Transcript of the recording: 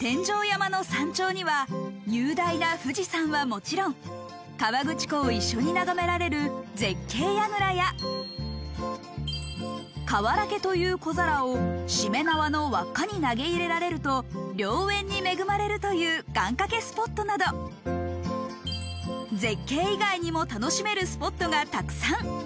天井山の山頂には雄大な富士山はもちろん、河口湖を一緒に眺められる絶景やぐらや、かわら投げという小皿をしめ縄の輪っかに投げ入れられると良縁に恵まれるという願掛けスポットなど絶景以外にも楽しめるスポットがたくさん。